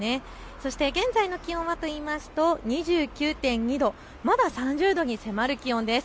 そして現在の気温はといいますと２９．２度、３０度に迫る気温です。